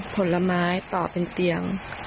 ผลไม้ต่อเป็นเตียง